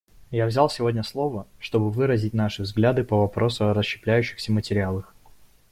Я взял сегодня слово, чтобы выразить наши взгляды по вопросу о расщепляющихся материалах.